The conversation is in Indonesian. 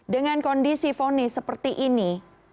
dengan kondisi fonis seperti ini